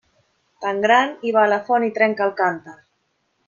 Tan gran i va a la font i trenca el cànter.